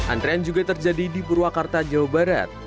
antrean juga terjadi di purwakarta jawa barat